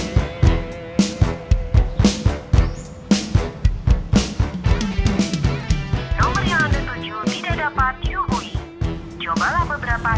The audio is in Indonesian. nomor yang ada tujuh tidak dapat dihubungi